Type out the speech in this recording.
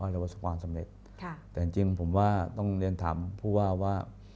เรียกว่าความสำเร็จค่ะแต่จริงผมว่าต้องเรียนถามผู้ว่าว่า